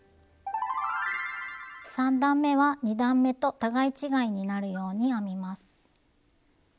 ３段めは２段めと互い違いになるように編みます。